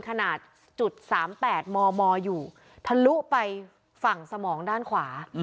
ขนาดจุด๓๘มมอยู่ทะลุไปฝั่งสมองด้านขวา